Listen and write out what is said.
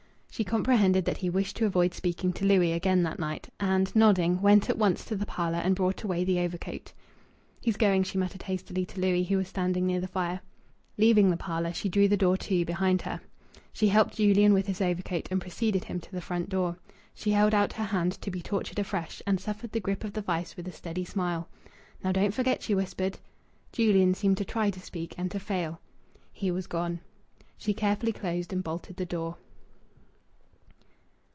She comprehended that he wished to avoid speaking to Louis again that night, and, nodding, went at once to the parlour and brought away the overcoat. "He's going," she muttered hastily to Louis, who was standing near the fire. Leaving the parlour, she drew the door to behind her. She helped Julian with his overcoat and preceded him to the front door. She held out her hand to be tortured afresh, and suffered the grip of the vice with a steady smile. "Now don't forget," she whispered. Julian seemed to try to speak and to fail.... He was gone. She carefully closed and bolted the door.